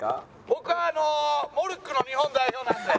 僕はモルックの日本代表なんで。